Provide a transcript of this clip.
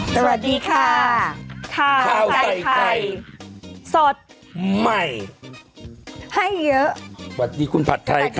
สวัสดีค่ะข้าวใส่ไข่สดใหม่ให้เยอะสวัสดีคุณผัดไทยค่ะ